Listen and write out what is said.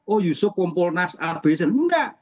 oh yusuf kompolnas a b c enggak